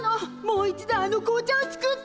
もう一度あの紅茶を作って！